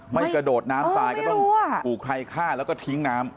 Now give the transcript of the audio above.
กระโดดน้ำตายก็ต้องถูกใครฆ่าแล้วก็ทิ้งน้ำ